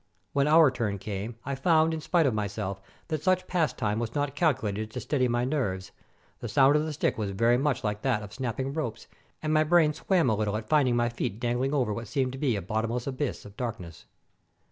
When our turn came, I found, in spite of myself, that such pastime was not calculated to steady my nerves. The sound of 376 THE SALT MINES OF WIELICZKA the stick was very much like that of snapping ropes, and my brain swam a little at finding my feet dangling over what seemed a bottomless abyss of darkness.